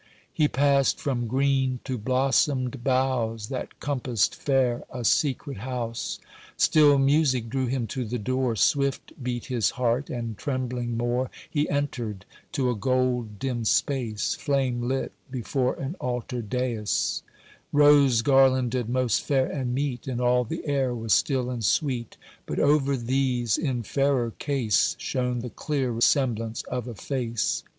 He passed from green to blossomed boughs That compassed fair a secret house; Still music drew him to the door, Swift beat his heart, and trembling more, He entered, to a gold dim space Flame lit before an altar daïs, Rose garlanded, most fair and meet, And all the air was still and sweet, But over these in fairer case Shone the clear semblance of a face.